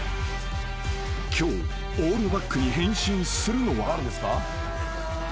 ［今日オールバックに変身するのは］